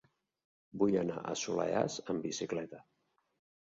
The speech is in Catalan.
Vull anar al Soleràs amb bicicleta.